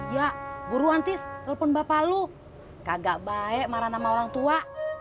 ya buruan tis telepon bapak lu kagak baik marah nama orangtua